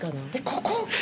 ここ？